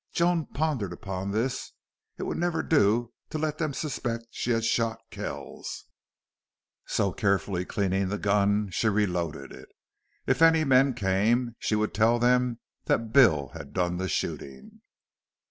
Joan pondered upon this. It would never do to let them suspect she had shot Kells. So, carefully cleaning the gun, she reloaded it. If any men came, she would tell them that Bill had done the shooting.